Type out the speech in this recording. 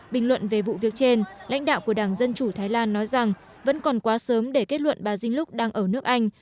bình luận về vụ việc trên lãnh đạo của đảng dân chủ thái lan nói rằng vẫn còn quá sớm để kết luận bà dinh lúc đang ở nước anh